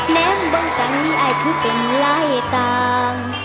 แบบว่างกันได้อายพูดเป็นไรต่าง